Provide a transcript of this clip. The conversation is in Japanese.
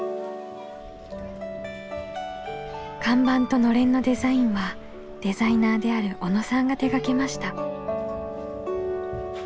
看板とのれんのデザインはデザイナーである小野さんが手がけました。